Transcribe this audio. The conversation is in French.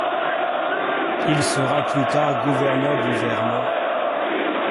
Il sera plus tard gouverneur du Vermont.